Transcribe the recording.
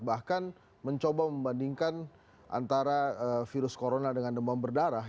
bahkan mencoba membandingkan antara virus corona dengan demam berdarah